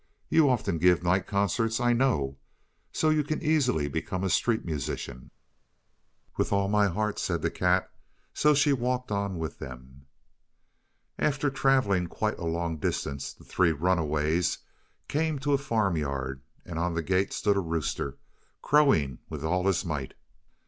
"You often give night concerts, I know, so you can easily become a street musician." "With all my heart," said the cat, so she walked on with them. After travelling quite a long distance the three "runaways" came to a farmyard, and on the gate stood a rooster, crowing with all his might.